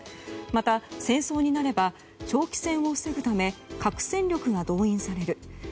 また、戦争になれば長期戦を防ぐため核戦力が動員される。